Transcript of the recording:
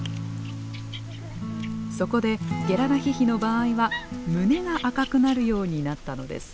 そこでゲラダヒヒの場合は胸が赤くなるようになったのです。